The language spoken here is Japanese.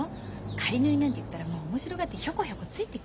仮縫いなんて言ったら面白がってひょこひょこついてくるわよ。